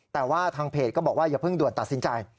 แต่ว่าทางเพจก็บอกว่าอย่าเพิ่งด่วนตัดสินใจ